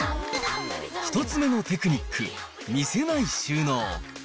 １つ目のテクニック、見せない収納。